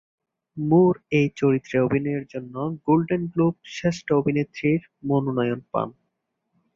মুর এই চরিত্রে অভিনয়ের জন্য গোল্ডেন গ্লোব শ্রেষ্ঠ অভিনেত্রীর মনোনয়ন পান।